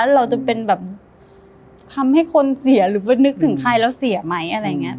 เราจะเป็นแบบทำให้คนเสียหรือว่านึกถึงใครแล้วเสียไหมอะไรอย่างนี้